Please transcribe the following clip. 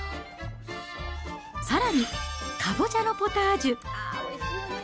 さらに、カボチャのポタージュ。